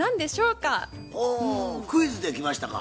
ほおクイズできましたか。